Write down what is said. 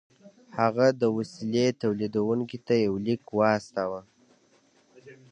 هغه د وسيلې توليدوونکي ته يو ليک واستاوه.